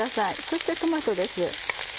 そしてトマトです。